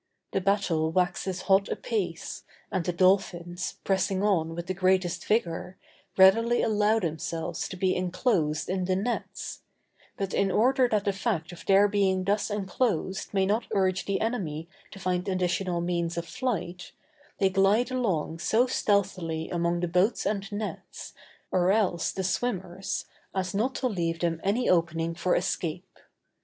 The battle waxes hot apace, and the dolphins, pressing on with the greatest vigor, readily allow themselves to be enclosed in the nets; but in order that the fact of their being thus enclosed may not urge the enemy to find additional means of flight, they glide along so stealthily among the boats and nets, or else the swimmers, as not to leave them any opening for escape.